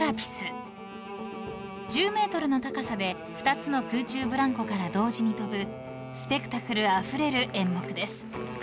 ［１０ｍの高さで２つの空中ブランコから同時に飛ぶスペクタクルあふれる演目です］